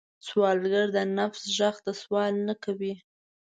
سوالګر د نفس غږ ته سوال نه کوي